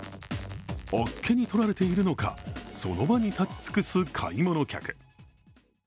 あっけにとられているのかその場に立ち尽くす買い物客。